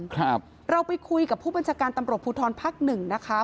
ครับเราไปคุยกับผู้บัญชาการตำรวจภูทรภักดิ์หนึ่งนะคะ